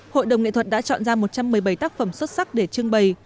hội đồng nghệ thuật đã chọn ra một trăm một mươi bảy tác phẩm xuất sắc để trưng bày